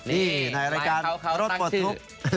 นี่ในรายการรถปลดทุกข์